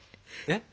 えっ？